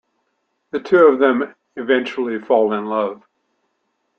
The two of them eventually fall in love.